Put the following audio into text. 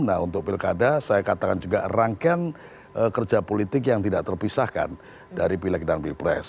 nah untuk pilkada saya katakan juga rangkaian kerja politik yang tidak terpisahkan dari pilek dan pilpres